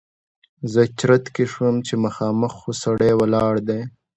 زه چرت کې شوم چې مخامخ خو سړی ولاړ دی!